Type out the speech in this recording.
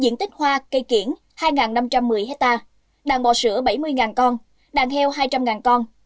diện tích hoa cây kiển hai năm trăm một mươi hectare đàn bò sữa bảy mươi con đàn heo hai trăm linh con